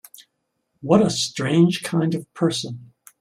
What a strange kind of person!